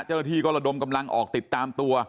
เจ้าหน้าที่ก็ระดมกำลังออกติดตามตัว